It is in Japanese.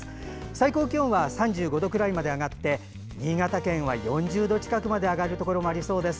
最高気温は３５度くらいまで上がり新潟県は４０度近くまで上がるところもありそうです。